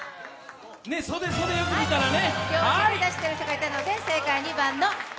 袖をよく見たらね。